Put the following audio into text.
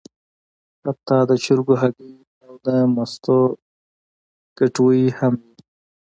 حتی د چرګو هګۍ او د مستو کټوۍ هم وې.